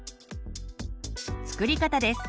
作り方です。